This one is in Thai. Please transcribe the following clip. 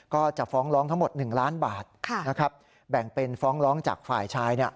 ก็จะฟ้องร้องทั้งหมดหนึ่งล้านบาทค่ะนะครับแบ่งเป็นฟ้องร้องจากฝ่ายชายเนี้ย